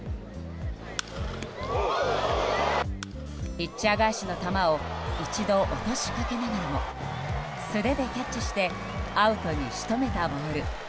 ピッチャー返しの球を一度落としかけながらも素手でキャッチしてアウトに仕留めたボール。